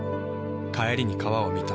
帰りに川を見た。